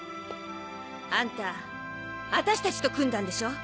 あんたあたしたちと組んだんでしょ？